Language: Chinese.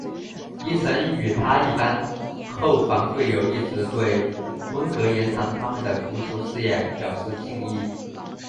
迪臣与他一班后防队友一直对温格延长他们的足球事业表示敬意。